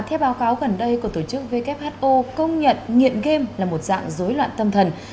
theo báo cáo gần đây của tổ chức who công nhận nghiện game là một dạng dối loạn tâm thần